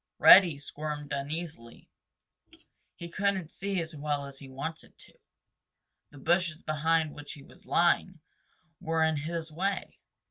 Reddy squirmed uneasily. He couldn't see as well as he wanted to. The bushes behind which he was lying were in his way.